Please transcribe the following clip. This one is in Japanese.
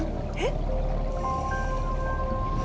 えっ？